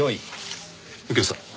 右京さん